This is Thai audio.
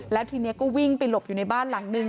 แล้วทีนี้ก็วิ่งไปหลบอยู่ในบ้านหลังนึง